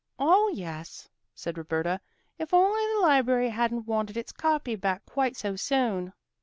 "Oh, yes," said Roberta. "If only the library hadn't wanted its copy back quite so soon!"